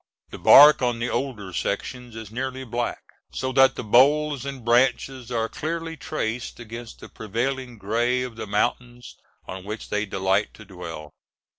The bark on the older sections is nearly black, so that the boles and branches are clearly traced against the prevailing gray of the mountains on which they delight to dwell.